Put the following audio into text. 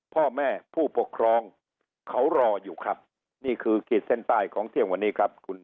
พ่อแม่ผู้ปกครองเขารออยู่ครับนี่คือขีดเส้นใต้ของเที่ยงวันนี้ครับคุณ